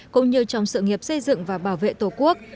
cũng như trong sự nghiệp xây dựng và bảo vệ tổ quốc